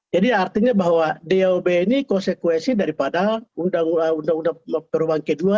jadi artinya bahwa dob ini konsekuensi daripada undang undang perubahan kedua